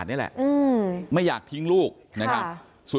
ตอนนั้นเขาก็เลยรีบวิ่งออกมาดูตอนนั้นเขาก็เลยรีบวิ่งออกมาดู